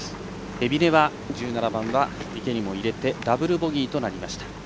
海老根は１７番は池にも入れてダブルボギーとなりました。